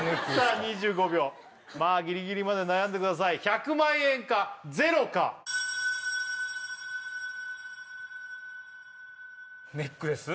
２５秒まあギリギリまで悩んでください１００万円か０かネックレス？